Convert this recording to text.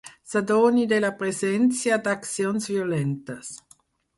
S'adoni de la presència d'accions violentes.